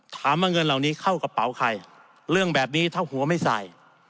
ถามว่าเงินเหล่านี้เข้ากระเป๋าใครเรื่องแบบนี้ถ้าหัวไม่ใส่